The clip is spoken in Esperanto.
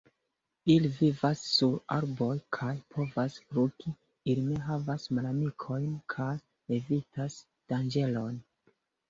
Ili vivas sur arboj kaj povas flugi, ili ne havas malamikojn kaj evitas danĝeron.